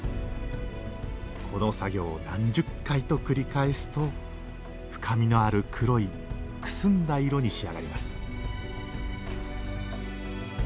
この作業を何十回と繰り返すと深みのある黒いくすんだ色に仕上がります